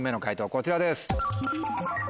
こちらです。